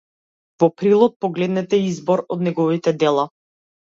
Во прилог погледнете избор од неговите дела.